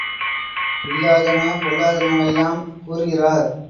இல்லாதன, பொல்லாதனவெல்லாம் கூறுகிறார்!